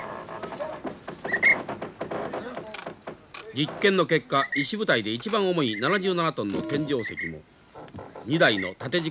実験の結果石舞台で一番重い７７トンの天井石も２台の縦軸